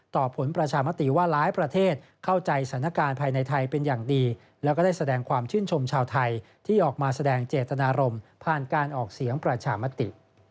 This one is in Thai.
ผลประชามติว่าหลายประเทศเข้าใจสถานการณ์ภายในไทยเป็นอย่างดีแล้วก็ได้แสดงความชื่นชมชาวไทยที่ออกมาแสดงเจตนารมณ์ผ่านการออกเสียงประชามติ